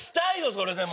それでも。